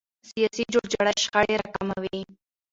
سیاسي جوړجاړی شخړې راکموي